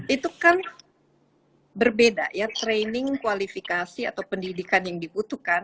itu kan berbeda ya training kualifikasi atau pendidikan yang dibutuhkan